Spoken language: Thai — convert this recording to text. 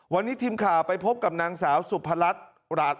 วันนี้ทีมข่าวไปพบกับนางสาวสุพรัช